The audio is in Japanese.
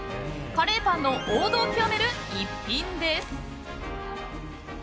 カレーパンの王道を極める逸品です。